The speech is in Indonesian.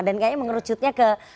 dan kayaknya mengerucutnya ke